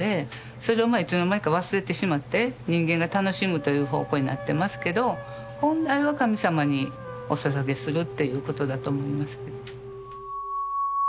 それをいつの間にか忘れてしまって人間が楽しむという方向になってますけど本来は神様におささげするということだと思いますけど。